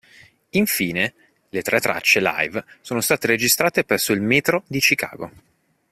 Infine, le tre tracce live sono state registrate presso il "Metro" di Chicago.